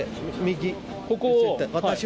ここを。